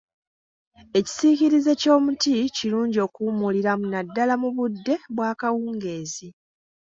Ekisiikirize ky’omuti kirungi okuwummuliramu naddala mu budde bw'akawungeezi.